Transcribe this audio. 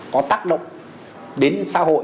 có tác động đến xã hội